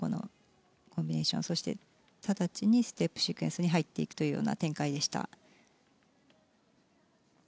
コンビネーション、そして直ちにステップシークエンスに入っていくという展開でした。